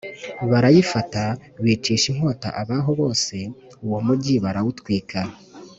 barayifata, bicisha inkota abaho bose, uwo mugi barawutwika.